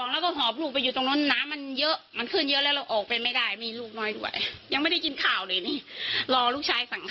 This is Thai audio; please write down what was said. รอลูกชายสั่งข้าวไม่ให้อยู่